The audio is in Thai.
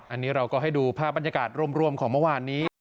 อันนี้เราก็ให้ดูภาพบรรยากาศรวมของเมื่อวานนี้